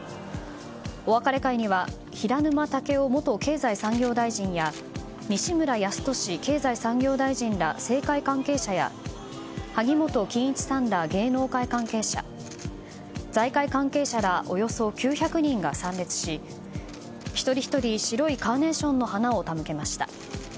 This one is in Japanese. お別れ会には平沼赳夫元経済産業大臣や西村康稔経済産業大臣ら政界関係者や萩本欽一さんら芸能界関係者財界関係者らおよそ９００人が参列し一人ひとり白いカーネーションの花を手向けました。